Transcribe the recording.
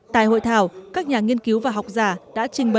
tại hội thảo các nhà nghiên cứu và học giả đã trình bày